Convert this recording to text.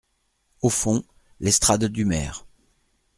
Au fond, l’estrade du maire.